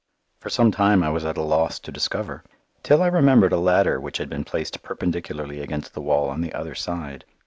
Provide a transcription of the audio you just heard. For some time I was at a loss to discover, till I remembered a ladder which had been placed perpendicularly against the wall on the other side.